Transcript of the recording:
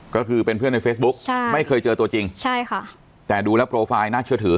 ก็คือเป็นเพื่อนในเฟซบุ๊คใช่ไม่เคยเจอตัวจริงใช่ค่ะแต่ดูแล้วโปรไฟล์น่าเชื่อถือ